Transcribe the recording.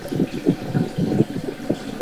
后累任至南京大理寺丞。